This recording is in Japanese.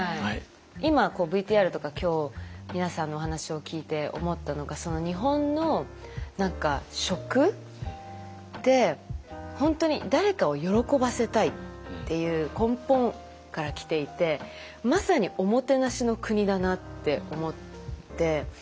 今ＶＴＲとか今日皆さんのお話を聞いて思ったのが日本の食って本当に誰かを喜ばせたいっていう根本から来ていてまさにおもてなしの国だなって思って。